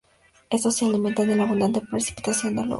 Estos se alimentan de la abundante precipitación del lugar.